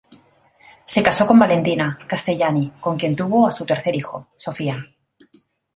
Se casó con Valentina Castellani, con quien tuvo a su tercer hijo, Sofia.